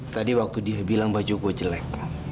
tadi waktu dia bilang baju gue jelek